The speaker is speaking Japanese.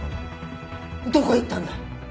どこ行ったんだい！？